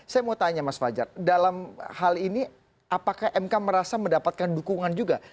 saya mau tanya mas fajar dalam hal ini apakah mk merasa mendapatkan dukungan juga